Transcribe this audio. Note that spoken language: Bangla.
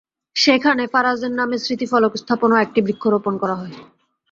সেখানে ফারাজের নামে স্মৃতিফলক স্থাপন ও একটি বৃক্ষ রোপণ করা হয়।